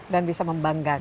dan bisa membanggakan